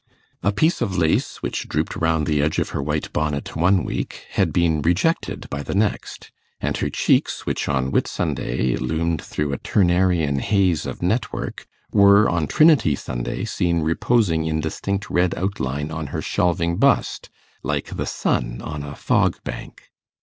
A piece of lace, which drooped round the edge of her white bonnet one week, had been rejected by the next; and her cheeks, which, on Whitsunday, loomed through a Turnerian haze of network, were, on Trinity Sunday, seen reposing in distinct red outline on her shelving bust, like the sun on a fog bank.